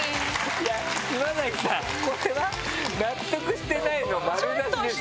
いや島崎さんこれは納得してないの丸出しです。